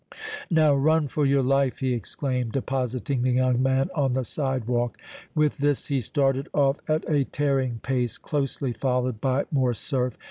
"Now run for your life!" he exclaimed, depositing the young man on the sidewalk. With this he started off at a tearing pace, closely followed by Morcerf.